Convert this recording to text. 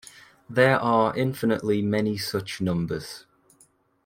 There are infinitely many such numbers.